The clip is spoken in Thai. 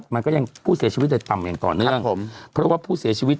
มันก็ยังผู้เสียชีวิตได้ต่ำอย่างต่อเนื่องครับผมเพราะว่าผู้เสียชีวิต